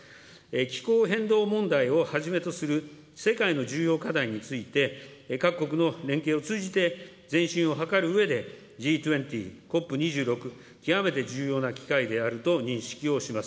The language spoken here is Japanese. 気候変動問題をはじめとする世界の重要課題について、各国の連携を通じて前進を図るうえで、Ｇ２０、ＣＯＰ２６、極めて重要な機会であると認識をします。